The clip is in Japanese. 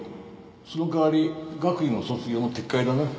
その代わり学位も卒業も撤回だな。